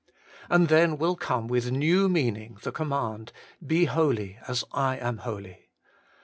And then will come with new meaning the command, ' Be holy, as I am holy.'